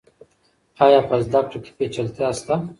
آیا په زده کړه کې پیچلتیا شته؟